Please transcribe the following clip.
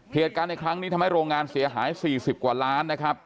เหตุการณ์ในครั้งนี้ทำให้โรงงานเสียหาย๔๐กว่าล้านนะครับ